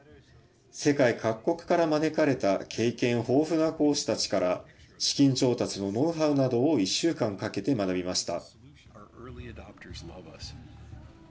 世界各国から招かれた経験豊富な講師たちから資金調達のノウハウなどを１週間かけて学びました。